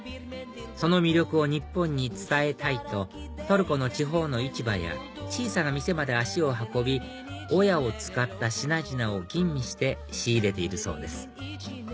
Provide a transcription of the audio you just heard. その魅力を日本に伝えたいとトルコの地方の市場や小さな店まで足を運びオヤを使った品々を吟味して仕入れているそうです